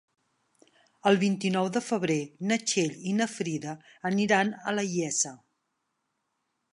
El vint-i-nou de febrer na Txell i na Frida aniran a la Iessa.